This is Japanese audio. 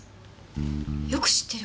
よく知ってるわね。